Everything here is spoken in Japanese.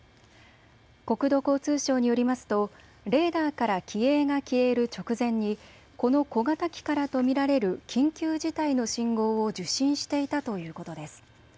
国土交通省によりますとレーダーから機影が消える直前にこの小型機からと見られる緊急事態の信号を受信していたということです。